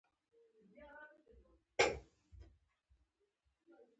احمد تندر وهلی یو کار هم په سم ډول نشي ترسره کولی.